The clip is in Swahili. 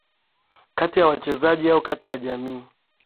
kati ya wachezaji au katika jamii